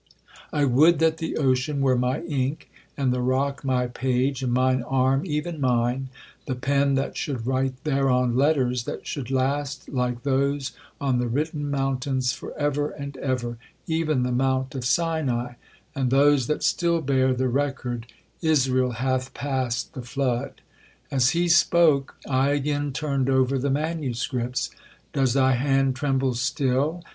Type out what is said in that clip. I would that the ocean were my ink, and the rock my page, and mine arm, even mine, the pen that should write thereon letters that should last like those on the written mountains for ever and ever—even the mount of Sinai, and those that still bear the record, 'Israel hath passed the flood.'1 As he spoke, I again turned over the manuscripts. 'Does thy hand tremble still?'